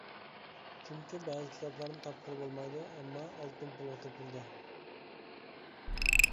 چۈنكى بەزى كىتابلارنى تاپقىلى بولمايدۇ، ئەمما ئالتۇن پۇلغا تېپىلىدۇ.